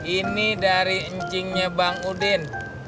ini dari encingnya bang udin